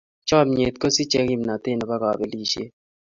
Chomnyet kosichei kimnatet nebo kabelisyet.